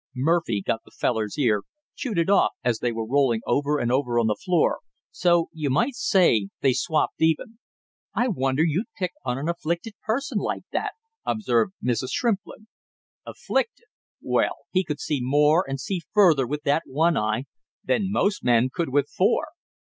Murphy got the feller's ear, chewed it off as they was rolling over and over on the floor, so you might say they swapped even." "I wonder you'd pick on an afflicted person like that," observed Mrs. Shrimplin. "Afflicted! Well, he could see more and see further with that one eye than most men could with four!"